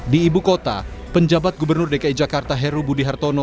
di ibu kota penjabat gubernur dki jakarta heru budi hartono